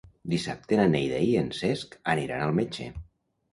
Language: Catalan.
Dissabte na Neida i en Cesc aniran al metge.